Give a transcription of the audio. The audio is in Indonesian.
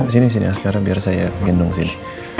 sini sini askarah biar saya gendong sini